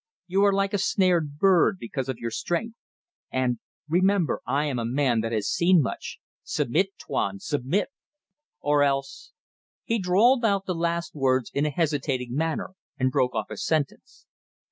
You are like a snared bird, because of your strength. And remember I am a man that has seen much submit, Tuan! Submit! ... Or else ..." He drawled out the last words in a hesitating manner and broke off his sentence.